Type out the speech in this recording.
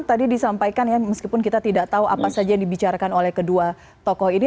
tadi disampaikan ya meskipun kita tidak tahu apa saja yang dibicarakan oleh kedua tokoh ini